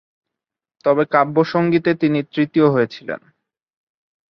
তবে কাব্য সঙ্গীতে তিনি তৃতীয় হয়েছিলেন।